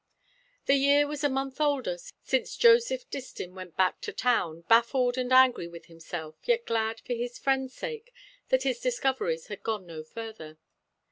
The year was a month older since Joseph Distin went back to town, baffled and angry with himself, yet glad for his friend's sake that his discoveries had gone no further.